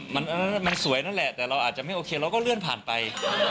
มันสวยนั่นแหละแต่เราอาจจะไม่โอเคเราก็เลื่อนผ่านไป